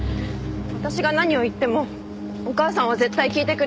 私が何を言ってもお母さんは絶対聞いてくれない。